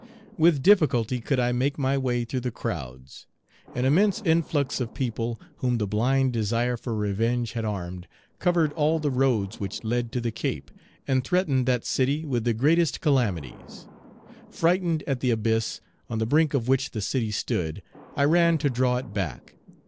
With difficulty could I make my way through the crowds; an immense influx of people, whom the blind desire for revenge had armed, covered all the roads which led to the Cape, and threatened that city with the greatest calamities. Frightened at the abyss, on the brink of which the city stood, I ran to draw it back.